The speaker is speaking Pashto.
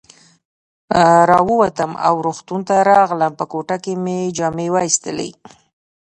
را ووتم او روغتون ته راغلم، په کوټه کې مې جامې وایستلې.